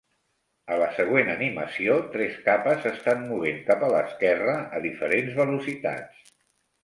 A la següent animació, tres capes s'estan movent cap a l'esquerra a diferents velocitats.